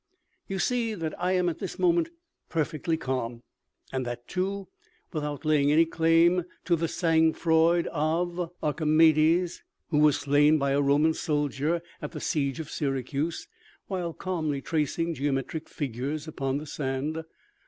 OMEGA ." You see that I am at this moment perfectly calm, and that, too, without laying any claim to the sang froid of Archimedes, who was slain by a Roman soldier at the siege of Syracuse while calmly tracing geometric fig ures upon the sand.